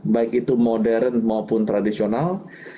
baik itu modern maupun tradisional